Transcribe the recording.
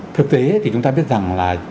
thực tế thì chúng ta biết rằng là